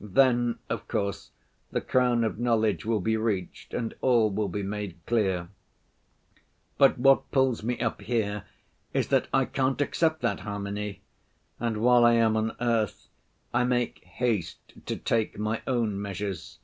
then, of course, the crown of knowledge will be reached and all will be made clear. But what pulls me up here is that I can't accept that harmony. And while I am on earth, I make haste to take my own measures.